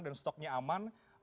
dan stoknya aman